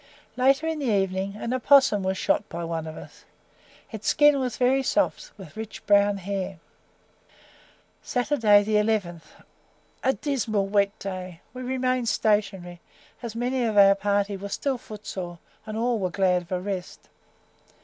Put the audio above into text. Later in the evening, an opossum was shot by one of us. Its skin was very soft, with rich, brown hair. SATURDAY, 11 A dismal wet day we remained stationary, as many of our party were still foot sore, and all were glad of a rest.